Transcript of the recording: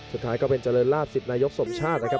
สุดท้ายก็เป็นเจริญราชสิทธิ์นายกสมชาตินะครับ